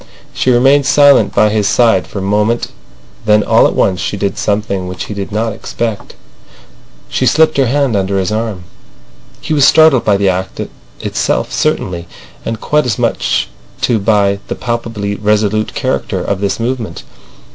She remained silent by his side for moment, then all at once she did something which he did not expect. She slipped her hand under his arm. He was startled by the act itself certainly, and quite as much too by the palpably resolute character of this movement.